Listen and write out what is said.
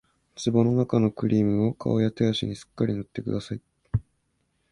壺のなかのクリームを顔や手足にすっかり塗ってください